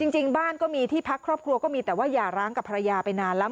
จริงบ้านก็มีที่พักครอบครัวก็มีแต่ว่าอย่าร้างกับภรรยาไปนานแล้ว